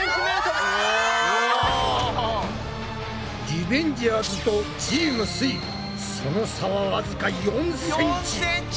リベンジャーズとチームすイその差はわずか４ｃｍ。